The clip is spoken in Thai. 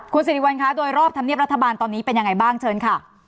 คุณสิริวัลคะโดยรอบธรรมเนียบรัฐบาลตอนนี้เป็นยังไงบ้างเชิญค่ะ